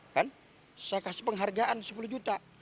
kan saya kasih penghargaan sepuluh juta